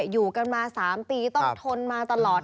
อยู่กันมา๓ปีต้องทนมาตลอด